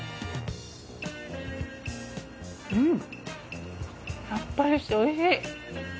うんさっぱりしておいしい。